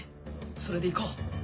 それでいこう！